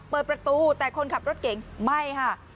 เปิดประตูแต่คนขับรถเก๋งไม่ค่ะ